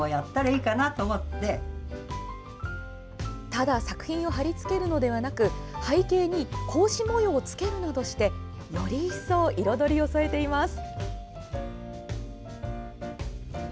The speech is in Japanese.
ただ作品を貼り付けるのではなく背景に格子模様を付けるなどしてより一層、彩りを添えています。